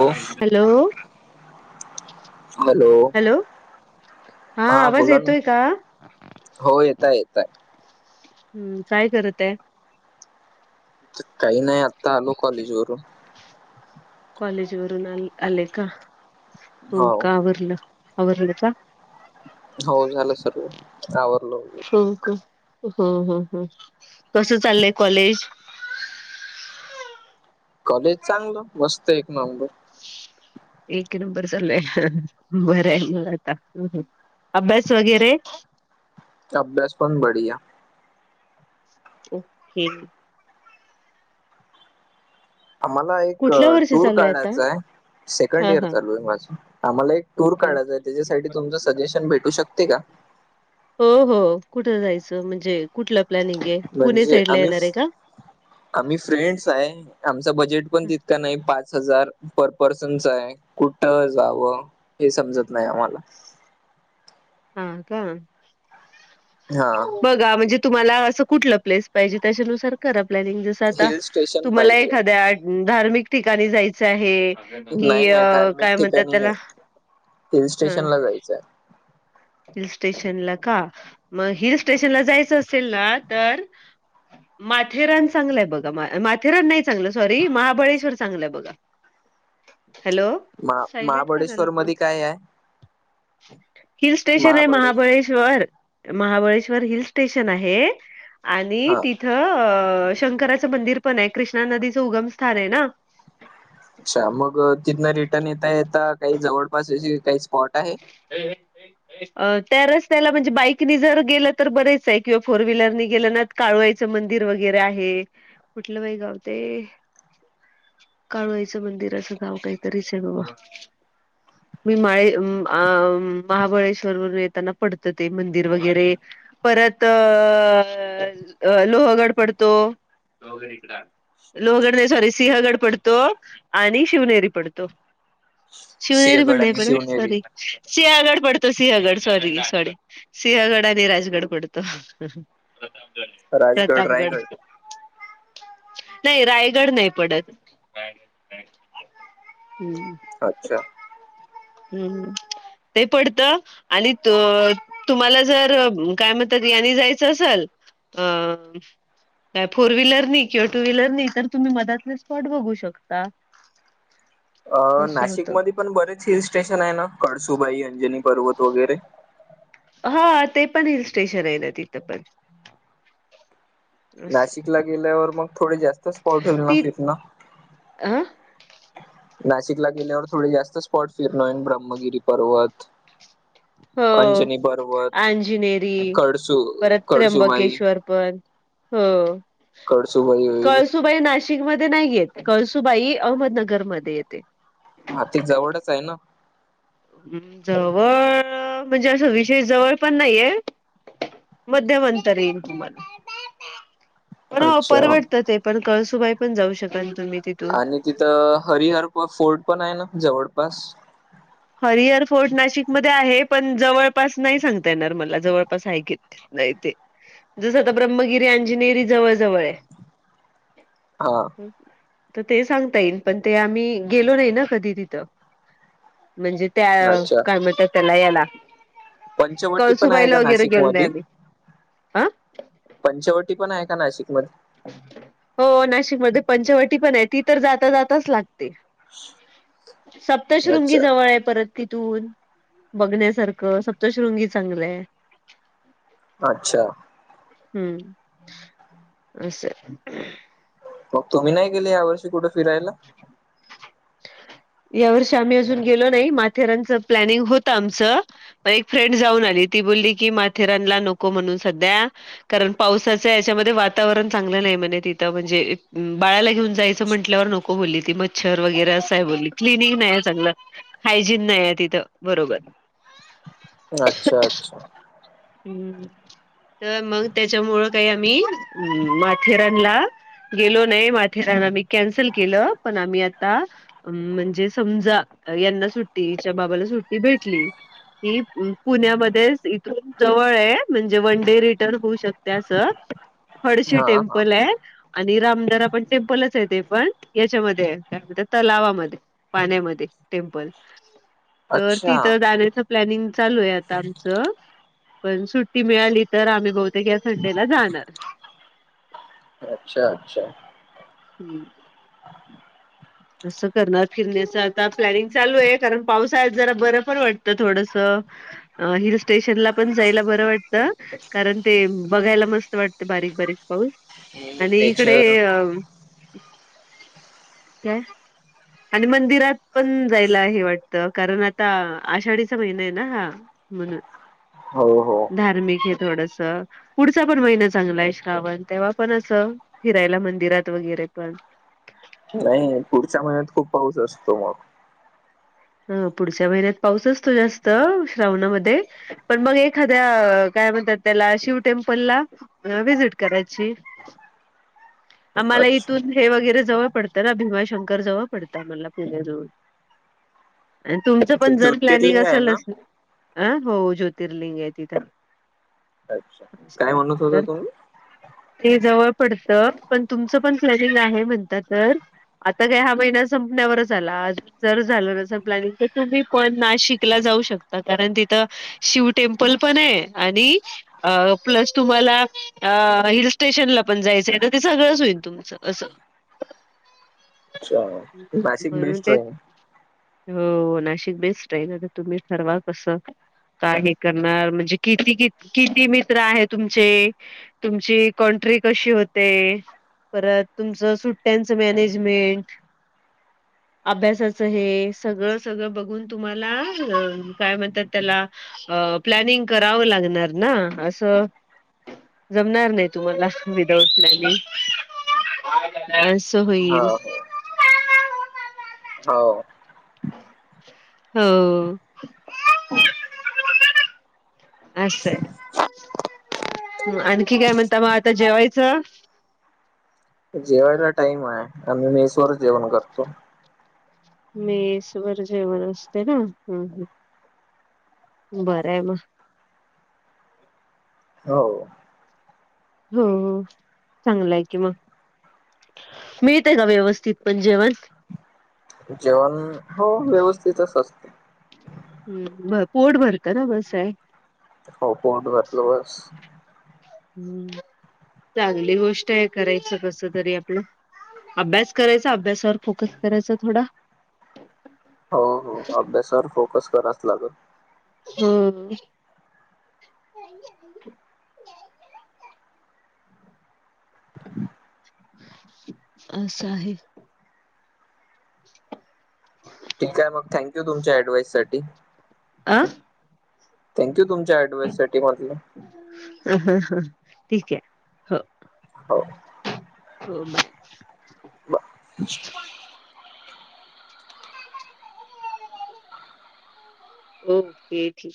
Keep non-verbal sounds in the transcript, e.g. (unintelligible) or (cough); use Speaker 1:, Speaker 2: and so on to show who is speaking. Speaker 1: हो
Speaker 2: hello. Hello, हां
Speaker 1: हा
Speaker 2: आवाज
Speaker 1: बोला ना
Speaker 2: येतोय का?
Speaker 1: हो येताय येताय.
Speaker 2: हम्म काय करताय?
Speaker 1: काही नाही आत्ता आलो कॉलेज वरून,
Speaker 2: कॉलेज वरून आल आले का हो का आवरलं आवरलं का?
Speaker 1: हो झालं सर्व आवरलं वगैरे.
Speaker 2: हो का हं हं हं कस चाल्लय कॉलेज?
Speaker 1: कॉलेज चांगलं मस्त एक नंबर!
Speaker 2: एक नंबर चालूय बराय मग आता. अभ्यास वगैरे?
Speaker 1: अभ्यास पण बढीया.
Speaker 2: ओ के
Speaker 1: आम्हाला एक
Speaker 2: कुठल्या वर्षी
Speaker 1: टूर
Speaker 2: चालू आहे आता
Speaker 1: काढायचाय सेकंड
Speaker 2: हा
Speaker 1: इयर
Speaker 2: हा
Speaker 1: चालूये माझं. आम्हाला एक टूर
Speaker 2: ओके ओके
Speaker 1: कढयचाय तेजासाठी तुमचं सजेशन भेटू शक ते का?
Speaker 2: हो हो कुठं जायचं? म्हणजे कुठलं प्लॅनिंगे? पुणे
Speaker 1: म्हणजे
Speaker 2: साईड ला
Speaker 1: आम्ही
Speaker 2: येणारे का?
Speaker 1: आम्ही फ्रेंड्साय, आमचा बजेट पण तितका नाई पाच हजार पर पर्सनचाय कुठं जावं? हे समजत नाय आम्हाला
Speaker 2: हां का
Speaker 1: हां
Speaker 2: गा म्हणजे तुम्हाला असं कुठल प्लेस पाहिजे त्याच्यानुसार करा प्लॅनिंग जस आता
Speaker 1: हिल स्टेशन
Speaker 2: तुम्हाला
Speaker 1: पाहिजे.
Speaker 2: एखाद्या धार्मिक ठिकाणी जायचं आहे,
Speaker 1: नाही
Speaker 2: कि
Speaker 1: नाही
Speaker 2: अ
Speaker 1: धार्मिक
Speaker 2: काय म्हणतात
Speaker 1: ठिकाणी
Speaker 2: त्याला
Speaker 1: नाही. हिल
Speaker 2: हां
Speaker 1: (inaudible)
Speaker 2: हिलस्टेशनला का म हिलस्टेशनला जायचं असेल ना तर, माथेरान चांगलंय बघा माथेरान नाही चांगलं सॉरी, महाबळेश्वर चांगलंय बघा. हॅलो?
Speaker 1: महा
Speaker 2: सायलेंट का झाला
Speaker 1: महाबळेश्वर
Speaker 2: फोन?
Speaker 1: मधी कायाय?
Speaker 2: हिलस्टेशनाय महाबळेश्वर महाबळेश्वर. हिलस्टेशन आहे, आणि
Speaker 1: हा
Speaker 2: तिथं अ शंकराचं मंदिर पनाय कृष्णा नदीचं उगम स्थानाय ना.
Speaker 1: अच्छा मग तिथन रिटन येता येता काही जवळपास विजिट काही स्पॉट? आहे?
Speaker 2: (inaudible) त्या रस्त्याला म्हणजे बाईकनी जर गेलं तर बरेचाय किंवा फोर व्हीलरनी गेलं ना काळूवाई च मंदिर वगैरे आहे. कुठलं बाई गाव ते काळुआईचं मंदिर असं गाव काईतरीचय बाबा. मी माळे (unintelligible) अ महाबळेश्वर वरून येताना पडत ते मंदिर वगैरे परत अ लोहगड पडतो. लोहगड इकडं आल. लोहगड नाही सॉरी सिंहगड पडतो आणि शिवनेरी पडतो. शिवनेरी पण
Speaker 1: सिंहगड
Speaker 2: नाही
Speaker 1: आणि
Speaker 2: पडत,
Speaker 1: शिवनेरी,
Speaker 2: सॉरी सिंहागड पडतो सिंहगड सॉरी सॉरी. सिंहगड आणि राजगड पडतो.
Speaker 1: राजगड,
Speaker 2: प्रतापगड
Speaker 1: रायगड
Speaker 2: नाई रायगड नाई पडत. हम
Speaker 1: अच्छा!
Speaker 2: हम्म ते पडत आणि त अ तुम्हाला जर काय म्हणतात यानी जायचं असल अ काय फोर व्हीलर किंवा टू व्हीलर नाही तर तुम्ही मधातले स्पॉट बघू शकता. (unintelligible)
Speaker 1: अ
Speaker 2: असं
Speaker 1: नाशिक
Speaker 2: होत
Speaker 1: मध्ये पण बरेच हिल स्टेशन आहे ना कळसुबाई, अंजनी पर्वत वगैरे.
Speaker 2: हा ते पण हिल स्टेशन आहे तिथं पण. असं
Speaker 1: नाशिकला गेल्यावर मग थोडे जास्त स्पॉट होेल ना फिरना.
Speaker 2: आं
Speaker 1: नाशिकला गेल्यावर थोडे जास्त स्पॉट फिरनोयन ब्रह्मगिरी पर्वत
Speaker 2: (inaudible) हो
Speaker 1: अंजनी पर्वत
Speaker 2: आंजिनेरी
Speaker 1: कडसू
Speaker 2: परत
Speaker 1: कडसूबाई
Speaker 2: त्र्यंबकेश्वर पण. हो
Speaker 1: कडसूबाई होईल
Speaker 2: कळसू बाई नाशिकमध्ये नाही येते कळसुबाई अहमदनगरमध्ये येते.
Speaker 1: आर्थिक जवळच आहे ना.
Speaker 2: जवळ म्हणजे असं विशेष जवळ पण नाहीये. मध्यमंतर येईन तुम्हाला. पण हो
Speaker 1: अच्छा
Speaker 2: परवडतं ते पण कळसुबाई पण जाऊ शकत.
Speaker 1: आणि तिथं हरिहर फोर्ट पण आहे जवळपास.
Speaker 2: हरिहर फोर्ट नाशिकमध्ये आहे पण जवळपास नाही सांगता येणार मला जवळपास हाय की नाही ते जसं आता ब्रह्मगिरी, अंजिनेरी जवळ-जवळ आहे.
Speaker 1: हा.
Speaker 2: तर ते सांगता येईन पण ते आम्ही गेलो ना कधी तिथं. म्हणजे त्या
Speaker 1: अच्छा
Speaker 2: कामट्या त्याला याला.
Speaker 1: पंचवटी पण आहे
Speaker 2: कळसुबाईला
Speaker 1: का
Speaker 2: वगैरे
Speaker 1: नाशिक
Speaker 2: गेलो नाही
Speaker 1: मधी?
Speaker 2: आम्ही हा
Speaker 1: पंचवटी पण आहे का नाशिकमध्ये?
Speaker 2: हो नाशिकमध्ये पंचवटी पण आहे ती तर जाता जाताच लागते. सप्तशृंगी
Speaker 1: अच्छा
Speaker 2: जवळ आहे परत तिथून बघण्यासारखं सप्तशृंगी चांगलंय.
Speaker 1: अच्छा.
Speaker 2: हम्म असं.
Speaker 1: मग तुम्ही नाही गेले या वर्षी कुठे फिरायला?
Speaker 2: (inaudible) यावर्षी आम्ही अजून गेलो नाही माथेरानचं प्लॅनिंग होतं आमचं म एक फ्रेंड जाऊन आली ती बोलली की माथेरानला नको म्हणू सध्या कारण पावसाचा याच्यामध्ये वातावरण चांगलं नाही म्हणे तिथं म्हणजे बाळाला घेऊन जायचं म्हंटल्यावर न को बोलली ती मच्छर वगैरे असं आहे बोलली. क्लीनिंग नाही आहे चांगलं हायजीन नाही आहे तिथं बरोबर.
Speaker 1: अच्छा अच्छा.
Speaker 2: हम्म तर मग त्याच्यामुळं काही आम्ही माथेरानला गेलो नाही माथेरान आम्ही कॅन्सल केलं पण आम्ही आता अम्म म्हणजे समजा यांना सुट्टीच्या हिचा बाबाला सुट्टी भेटली ती पुण्यामध्येच इथून जवळ आहे म्हणजे वन डे रिटर्न होऊ शकते असं हळशी
Speaker 1: हा हा
Speaker 2: टेम्पल आहे आणि रामदरा पण टेम्पलच आहे ते पण याच्यामध्ये काय म्हणत तलावामध्ये पाण्यामध्ये टेम्पल तर
Speaker 1: अच्छा
Speaker 2: तिथं जाण्याचं प्लॅनिंग चालू आहे आता आमचं पण सुट्टी मिळाली तर आम्ही बहुतेक या संडेला जाणार.
Speaker 1: अच्छा अच्छा.
Speaker 2: हम्म असं करणार फिरण्याच आता प्लॅनिंग चालू आहे, कारण पावसाळ्यात जरा बरं पण वाटतं थोडस. हिल स्टेशनला पण जायला बरं वाटतं कारण ते बघायला मस्त वाटते बारीक बारीक पाऊ आणि इकडे
Speaker 1: नेचर
Speaker 2: अ काय? आणि मंदिरात पण जायला हे वाटतं कारण आता आषाढीचा महिना आहे ना आता. म्हणून
Speaker 1: हो हो
Speaker 2: धार्मिक हे थोडस. पुढचा पण महिना चांगला आहे श्रावण तेव्हा पण असं, फिरायला मंदिरात वगैरे पण.
Speaker 1: नाही पुढच्या महिन्यात खूप पाऊस असतो मग.
Speaker 2: ह पुढच्या महिन्यात पाऊस असतो जास्त, श्रावणामध्ये. पण मग एखाद्या काय म्हणतात त्याला, शिव टेम्पलला. अ व्हिजिट करायची.
Speaker 1: मग
Speaker 2: आम्हाला
Speaker 1: अच्छा
Speaker 2: इथून हे वगैरे जवं पडतं ना भीमाशंकर जवळ पडतं आम्हाला पुण्याजवळून. आणि तुमचं पण
Speaker 1: ते
Speaker 2: जर प्लॅनिंग
Speaker 1: ज्योतिर्लिंग आहे ना
Speaker 2: असेलच की, अस अ हो ज्योतिर्लिंग आहे तिथं.
Speaker 1: अच्छा. काय
Speaker 2: अच्छा
Speaker 1: म्हणत होता
Speaker 2: तर.
Speaker 1: तुम्ही
Speaker 2: ते जवळ पडत, पण तुमचं पण प्लॅनिंग आहे म्हणता तर. आता का हा महिना संपण्यावरच आला, आज जर झा प्लनिंग तर तुम्ही पण नाशिकला जाऊ शकता कारण तिथं. शिव टेम्पल पण आहे आणि अ प्लस तुम्हाला, अ हिल स्टेशनला पण जायचंय, तर ते सगळंच होईल तुम तुमच असं.
Speaker 1: अच्छा, तर नाशिक
Speaker 2: म्हणून
Speaker 1: बेस्ट
Speaker 2: ते
Speaker 1: आहे.
Speaker 2: हो नाशिक बेस्ट आहे तुम्ही ठरवा आता कसं. का हे करणार? म्हणजे किती कि किती मित्र आहे तुमचे? तुमची कॉन्ट्रि कशी होते? परत तुमच सुट्ट्यांच मॅनेजमेंट, अभ्यासच अभ्यासाचं हे, सगळं सगळं बघून तुम्हाला हम काय म्हणतात त्याला. अ प्लॅनिंग करावं लागणार ना असं. जमणार नाही तुम्हाला विदाउट फ्लॅनी अ असा
Speaker 1: हा,
Speaker 2: होईल.
Speaker 1: हो. हो.
Speaker 2: हो असं आहे. आणखी काय म्हणता मग आता जेवायचं?
Speaker 1: जेवायला टाइम आहे, आम्ही मेसवर जेवण करतो.
Speaker 2: मेस वर जेवण असते ना, हम्म हम्म बरंय आहे मग.
Speaker 1: हो.
Speaker 2: हो चांगल हाय की मग. मिळतं का व्यवस्थित पण जेवण?
Speaker 1: जेवण हो व्यवस्थितच असत
Speaker 2: हम्म पोट भरतं ना बस आहे.
Speaker 1: हो पोट भरलं बस.
Speaker 2: हम्म चांगली गोष्ट आहे, करायच कस तरी आपलं. अभ्यास करायचा, अभ्यासावर फोकस करायचा थोडा.
Speaker 1: हो हो. अभ्यासावर फोकस करावाच लागेल.
Speaker 2: हम्म बे (inaudible) असं आहे
Speaker 1: ठीक आहे मग, थँक यू तुमच्या ॲडवाइस साठी.
Speaker 2: अ
Speaker 1: थँक्यू तुमच्या ॲडवाइस साठी म्हटलं.
Speaker 2: ह ह ह ठीक आहे हो.
Speaker 1: हो
Speaker 2: हो म
Speaker 1: (unintelligible)
Speaker 2: ओके ठीक आ